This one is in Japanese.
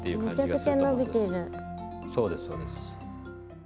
そうですそうです。